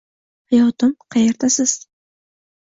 - Hayotim, qayerdasiz?